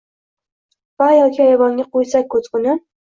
Va yoki ayvonga qo’ysak ko’zguni?»